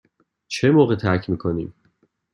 چه موقع ترک می کنیم؟